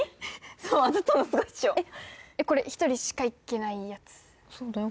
そう当たったのすごいっしょえっこれ１人しかいけないやつそうだよ